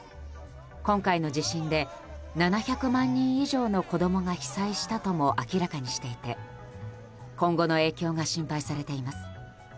今回の地震で７００万人以上の子供が被災したとも明らかにしていて今後の影響が心配されています。